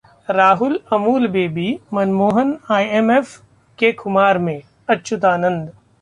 Rahul ‘Amul baby’, Manmohan IMF के खुमार में: अच्युतानंदन